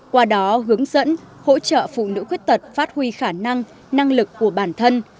qua đó hướng dẫn hỗ trợ phụ nữ khuyết tật phát huy khả năng năng lực của bản thân